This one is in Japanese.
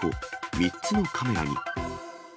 ３つのカメラに。